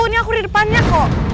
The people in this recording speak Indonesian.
ini aku di depannya kok